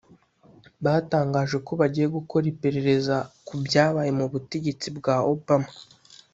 batangaje ko bagiye gukora iperereza ku byabaye mu butegetsi bwa Obama